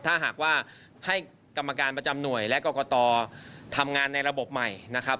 ถ้าหากว่าให้กรรมการประจำหน่วยและกรกตทำงานในระบบใหม่นะครับ